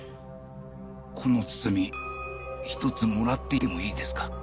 この包み一つもらっていってもいいですか？